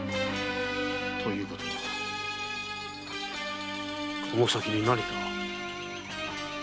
ということはこの先に何かが！